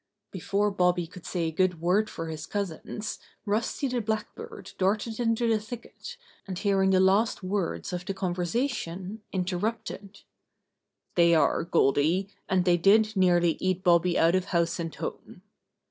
Before Bobby could say a good word for his cousins, Rusty the Blackbird darted into the thicket, and hearing the last words of the conversation interrupted : "They are, Goldy, and they did nearly eat Bobby out of house and home."